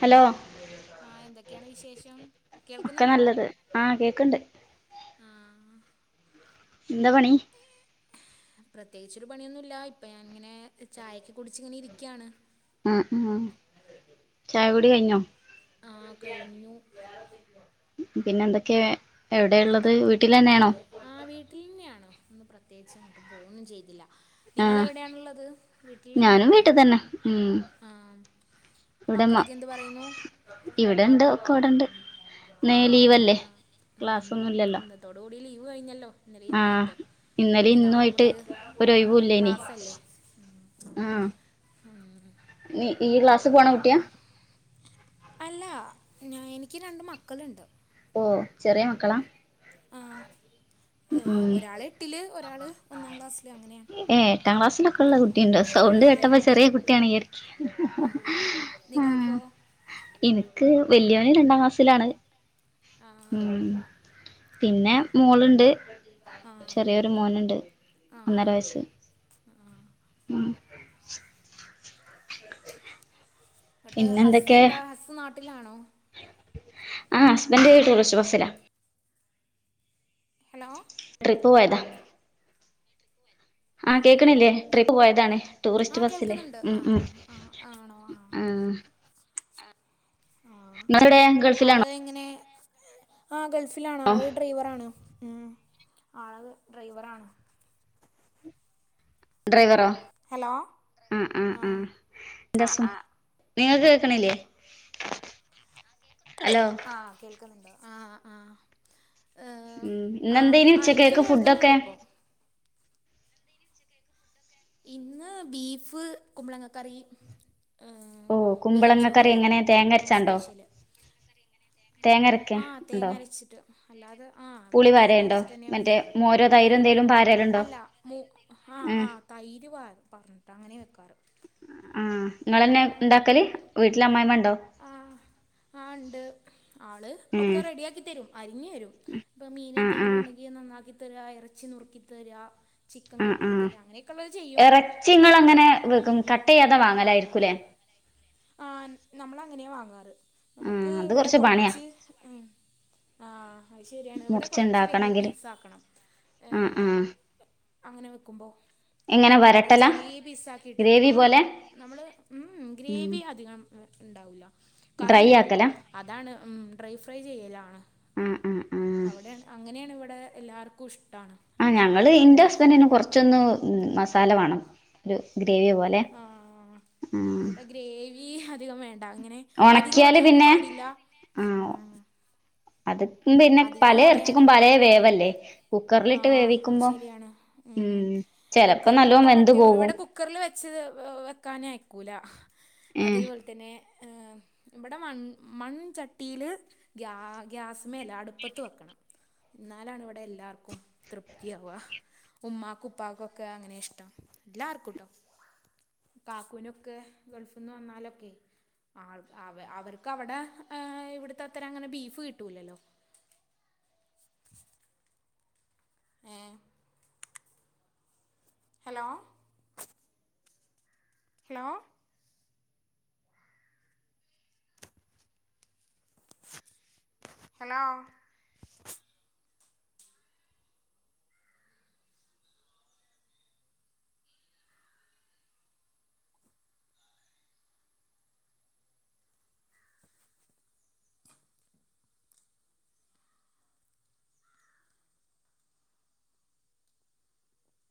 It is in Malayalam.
ഹലോ ആഹ് എന്തൊക്കെയാണ് വിശേഷം ഒക്കെ കേൾക്കുന്നുണ്ടോ നല്ലത് ആഹ് കേക്ക്ണ്ട് ആഹ് എന്താ പണി പ്രത്യേകിച്ചൊരു പണിയൊന്നുംല്ല ഇപ്പൊ ഞാൻ ഇങ്ങനെ ചായൊക്കെ കുടിച്ച് ഇങ്ങനെ ഇരിക്കുകയാണ് ആഹ് ആഹ് ചായ കുടി കഴിഞ്ഞോ ആഹ് കഴിഞ്ഞു പിന്നെ എന്തൊക്കെ എവിടെള്ളത് വീട്ടില ന്നെയാണോ? ആഹ് വീട്ടിൽ തന്നെയാണ ഇന്ന് പ്രത്യേകിച്ച് എങ്ങോട്ട് പോവൊന്നും ചെയ്തില്ല ആഹ് നിങ്ങളെവിടെയാണുള്ളത്. ഞാനും വീട്ടിൽന്നെല്ലേ വീട്ടി തന്നെ ഉം ആഹ് മക്കളൊക്കെ എന്ത് പറയുന്നു ഇവിടെ ഇണ്ട് ഒക്കെ അവിടെണ്ട് ന്ന് ലീവല്ലേ ക്ലാസ്സൊന്നുംല്ലല്ലോ. ഇതോട് കൂടി ലീവ് കഴിഞ്ഞല്ലോ ഇന്നലേം ഇന്നുമായിട്ട് ഇനി ഇന്നലിം ഇന്നു നാളെ ആയിട്ട് മുതൽ ഒരൊഴിവൂല്ലേനി ക്ലാസ്സല്ലേ ആഹ് ഈ ക്ലാസ് പോണ കുട്ടിയാ അല്ലാ ഞ എനിക്ക് രണ്ട് മക്കളുണ്ട്. ഓ ചെറിയ മക്കളാ ആഹ് ഉം ഏഹ് ഒരാള് എട്ടില് ഒരാള് ഒന്നാം ക്ലാസ്സില് അങ്ങനെയാണ് കുട്ടിയുണ്ടോ, സൗണ്ട് കെട്ടപ്പോ ചെറിയ കുട്ടിയാണ് ആഹ് ആഹ് നിങ്ങൾക്കോ എനിക്ക് വല്യോന് രണ്ടാം ക്ലാസ്സിലാണ് ആ ഉം പിന്നെ മോളുണ്ട്. ആ ചെറിയൊരു മോനുണ്ട് ഒന്നര വയസ്സ് ഉം ഉം ശരി എന്നട്ട് ഹസ് എന്താ ഹസ്സ് നാട്ടിലാണോ ആഹ് ഹസ്ബൻഡ് ടൂറിസ്റ്റ് ബസ്സിലാ. ഹലോ. ട്രിപ്പ് പോയതാ ആ ആഹ് കേക്കണില്ലേ ട്രിപ്പ് പോയതാണ് ടൂറിസ്റ്റ് ആഹ് ബസ്സില് കേൾക്കുന്നുണ്ട് ഉം ഉം ആഹ് ആ ആണോ ആഹ് ആ ആഹ് നിങ്ങളെവിടെ ഗൾഫിലാണോ ആള് എങ്ങനെ ആ ഗൾഫിലാണ്. ആള് ഡ്രൈവർആണ് ഉം ആള് ഡ്രൈവർആണ് ഡ്രൈവറോ ഹലോ ആഹ ആഹ ആഹ ആഹ് എന്റെ ഹസും നിങ്ങക്ക് കേക്കണില്ലേ ഹലോ ആഹ് കേൾക്കുന്നുണ്ടോ ആഹ ആഹ ഉം ആഹ് ഇന്നെന്തേനി എനിക്ക് ഉച്ചക്കേക്ക് കേൾക്കുന്നുണ്ട് ഫുഡൊക്കെ ഇപ്പോൾ ഇന്ന് ബീഫ് കുമ്പളങ്ങക്കറി ആഹ് ഓ കുമ്പളങ്ങക്കറി എങ്ങനെ വെറുഞ്ചോറുയിരുന്നു തേങ്ങ അരച്ചാണ്ടോ സ്പെഷ്യല് തേങ്ങ അരക്ക ആഹ് തേങ്ങ ഉണ്ടോ അരച്ചിട്ട. അല്ലാതെ ഇവിടെ പുളി തേങ്ങ പാരയുണ്ടോ അരച്ചിട്ട് തന്നെയാ മറ്റേ വെക്കാറ് മോരോ തൈര് മോര് എന്തേലും ഒറഞ്ഞിട്ട് പാരലുണ്ടോ അല്ല ആഹ് ഉം ആഹ് തൈര് പാർന്നുട്ട് അങ്ങനെ വയ്ക്കാറ് ആഹ് നിങ്ങന്നെ ഉണ്ടാക്കൽ. വീട്ടില അമ്മയിമ്മ ണ്ടോ ആഹ് ആഹ് ഉണ്ട് ആള് ഒക്കെ ഉം റെഡിയാക്കി തരും. അരിഞ്ഞരും ഇപ്പൊ മീൻ ആഹ് എന്തെങ്കിലും ആഹ് ഉണ്ടെങ്കിൽ നന്നാക്കി തരാ ഇറച്ചി നുറുക്കി തരാ ചിക്കൻ കഗിക്ക് തരാ അങ്ങനെയൊക്കെ ഉള്ളത് ചെയ്യും ഇറച്ചിങ്ങൾ അങ്ങനെ കട്ട് ചെയ്യാതെ വാങ്ങലായിരിക്കൂല്ലേ ആഹ് നമ്മൾ അങ്ങനെയാ വാങ്ങാറ്. നമുക്ക് ആഹ് അത് ഇവിടെ പണിയാ കുറച്ച് ആഹ് അത് ശരിയാണ് ഇവിടെ കൊറച്ച് വലിയ മുറിച്ചുണ്ടാക്കണെങ്കില് പീസാക്കണം ആഹ് ഏഹ് ആഹ് അങ്ങനെ വെക്കുമ്പോ എങ്ങനെ ഇവിടെ വരട്ടലാ ചെറിയ പീസക്കിയിട്ട് ഗ്രേവി ആഹ് പോലെ നമ്മള് ഉം ഗ്രേവി അധികം ഇണ്ടാവൂല്ല കറി ഡ്രൈ ഇണ്ടല്ലോ ആക്കലാ അതാണ് ഉം ഡ്രൈ ഫ്രൈ ചെയ്യലാണ്. ആഹ് ആഹ് ആഹ് അവിടെ അങ്ങനെയാണ് ഇവിടെ എല്ലാവർക്കും ഇഷ്ടമാണ് ആഹ് അങ്ങനെ ഞങ്ങള് ഇന്റെ ഉണ്ടാക്കി ഹസ്ബൻഡിന് കഴിഞ്ഞാൽ കുറച്ചൊന്ന് മസാല വാണം ഒരു ഗ്രേവി പോലെ ആ എ ഉം. ഇവിടെ ഗ്രേവി അധികം വേണ്ട അങ്ങനെ അധികം ഒണക്കിയാല് ഉടയാനും പിന്നെ പാടില്ല ആ. ആഹ് [unintelligible] അത് പിന്നെ പലേ എർച്ചിക്കും ഉടയാനും പലേവേവല്ലേ കുക്കറിലിട്ട് ആഹ് അത് വേവിക്കുമ്പോ. ശരിയാണ് ഉം ചെലപ്പോ നല്ലോം കുക്കറിലിട്ടാ വെന്ത് പറ്റേ പോവും ഇവിടെ കുക്കറിൽ വെച്ച വെക്കാനയക്കൂല. ഏഹ് അതേപോല. തന്നെ ഇവിടെ മൺ മൺചട്ടില് ഗ്യാസ്. മേല്ല അടുപ്പത്ത് വെക്കണം എന്നാലാണ് ഇവിടെ എല്ലാർക്കും തൃപ്തിയാവ. ഉമ്മാകു ഉപ്പാക്കുക്കെ അങ്ങനെ ഇഷ്ടം എല്ലാർക്കും ട്ടോ. കാക്കുനൊക്കെ ഗൾഫ്ന്ന് വന്നാലൊക്കെ. ആൾ അവ അവർക്ക് അവടെ ഇവിടുത്തെ അത്ര അങ്ങനെ ബീഫ് കിട്ടൂലല്ലോ? [unintelligible] ആഹ്. ഹലോ. ഹലോ. ഹലോ.